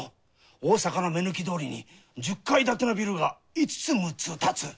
大阪の目抜き通りに１０階建てのビルが５つ６つ建つ。